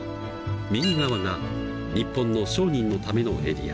右側が日本の商人のためのエリア。